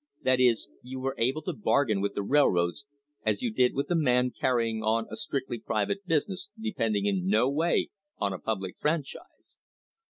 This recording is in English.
That is, you were able to bargain with the railroads as you did with a man carrying on a strictly private business depending in no way on a public franchise.